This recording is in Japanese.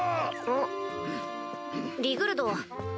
ん？リグルド。